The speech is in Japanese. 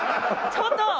ちょっと。